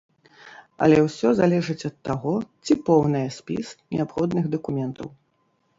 Але ўсё залежыць ад таго, ці поўнае спіс неабходных дакументаў.